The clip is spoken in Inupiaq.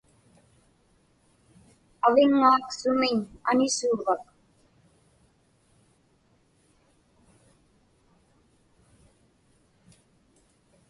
Aviŋŋaak sumiñ anisuuvak?